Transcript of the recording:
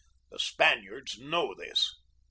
The Span iards know this."